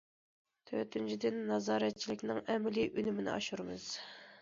تۆتىنچىدىن، نازارەتچىلىكنىڭ ئەمەلىي ئۈنۈمىنى ئاشۇرىمىز.